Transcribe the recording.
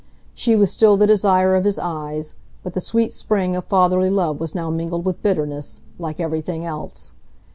She was still the desire of his eyes; but the sweet spring of fatherly love was now mingled with bitterness, like everything else.